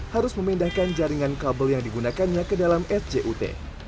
harus memindahkan jaringan kabel yang digunakannya ke dalam sjut